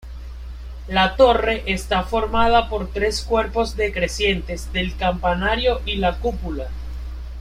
La torre está formada por tres cuerpos decrecientes del campanario y la cúpula.